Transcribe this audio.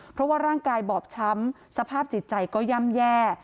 เพราะว่าร่างกายบอบช้ำสภาพจิตใจก็ย่ำแย่